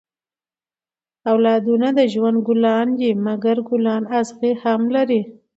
اولادونه د ژوند ګلان دي؛ مکر ګلان اغزي هم لري.